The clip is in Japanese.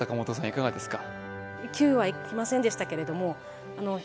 いかがですか？